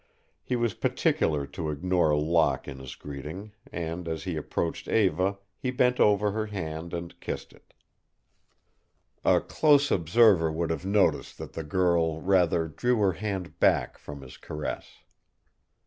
He was particular to ignore Locke in his greeting, and as he approached Eva he bent over her hand and kissed it. A close observer would have noticed that the girl rather drew her hand back from his caress.